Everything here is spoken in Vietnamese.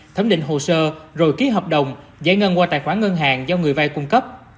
thẩm định hồ sơ rồi ký hợp đồng giải ngân qua tài khoản ngân hàng do người vay cung cấp